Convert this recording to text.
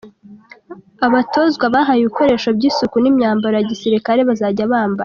Abatozwa bahawe ibikoresho by’isuku n’imyambaro ya gisirikare bazajya bambara.